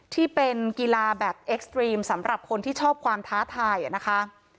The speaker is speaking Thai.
ที่เป็นกีฬาแบบเอ็กซ์ตรีมสำหรับคนที่ชอบความท้าทายนะคะ